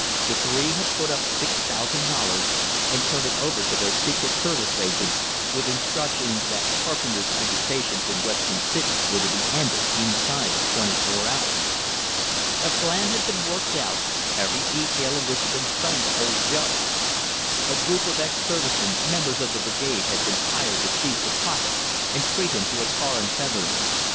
These three had put up six thousand dollars, and turned it over to their secret service agents, with instructions that Carpenter's agitations in Western City were to be ended inside of twenty four hours. A plan had been worked out, every detail of which had been phoned to Old Joe. A group of ex service men, members of the Brigade, had been hired to seize the prophet and treat him to a tar and feathering.